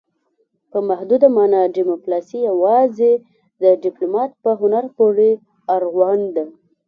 په محدوده مانا ډیپلوماسي یوازې د ډیپلومات په هنر پورې اړوند ده